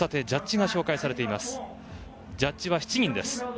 ジャッジは７人です。